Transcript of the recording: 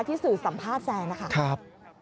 ที่สื่อสัมภาษณ์แซนนะคะ